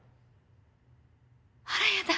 あらやだ！